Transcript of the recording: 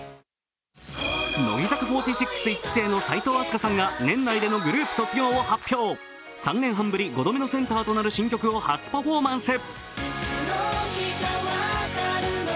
乃木坂４６１期生の齋藤飛鳥さんが年内でのグループ卒業を発表３年半ぶり５度目のセンターとなる新曲を初パフォーマンス。